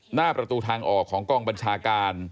หน้าประตูทางออกของกองบัญชาการ